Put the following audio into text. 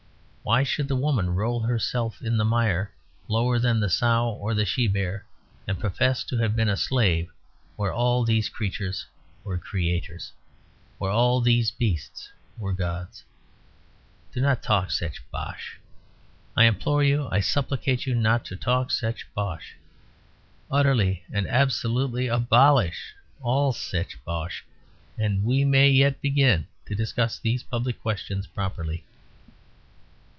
Why should the woman roll herself in the mire lower than the sow or the she bear; and profess to have been a slave where all these creatures were creators; where all these beasts were gods? Do not talk such bosh. I implore you, I supplicate you not to talk such bosh. Utterly and absolutely abolish all such bosh and we may yet begin to discuss these public questions properly.